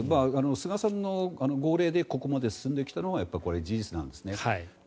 菅さんの号令でここまで進んできたのはやっぱり事実なんですね。